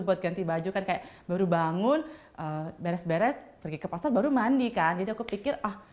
buat ganti baju kan kayak baru bangun beres beres pergi ke pasar baru mandi kan jadi aku pikir ah